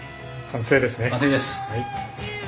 完成です！